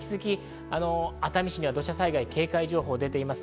熱海市には土砂災害警戒情報が出ています。